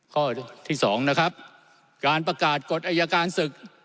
ข้อที่๒นะครับการประกาศกฎอายการศึก